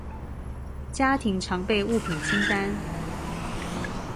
家庭常備物品清單